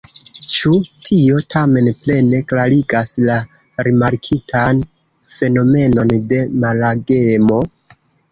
Ĉu tio tamen plene klarigas la rimarkitan fenomenon de malagemo?